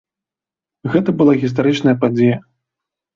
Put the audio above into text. Гэта была гістарычная падзея.